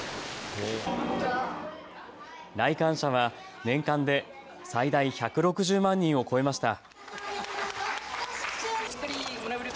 来館者は年間で最大１６０万人を超えました。